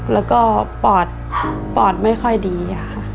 แล้วก็ปอดไม่ค่อยดี